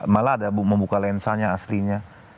malah ada membuka lensanya aslinya